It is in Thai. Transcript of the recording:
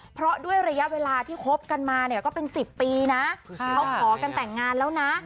เพราะด้วยระยะเวลาที่คบกันมาเนี่ยก็เป็น๑๐ปีนะเขาขอกันแต่งงานแล้วนะ